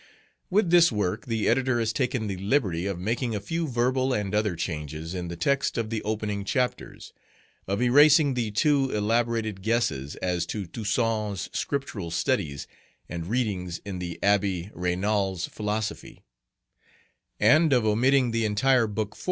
With this work the editor has taken the liberty of making a few verbal and other changes in the text of the opening chapters; of erasing the two elaborated guesses as to Toussaint's Scriptural studies and readings in the Abbé Raynal's philosophy; and of omitting the entire Book IV.